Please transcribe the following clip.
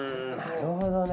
なるほどね。